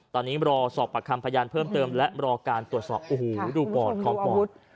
ตอนนี้รอสอบประคำพยานเพิ่มเติมและรอการตรวจสอบโอ้โหดูปอดของปอด